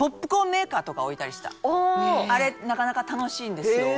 あれなかなか楽しいんですよ。